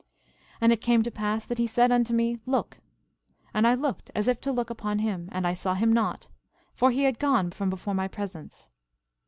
11:12 And it came to pass that he said unto me: Look! And I looked as if to look upon him, and I saw him not; for he had gone from before my presence.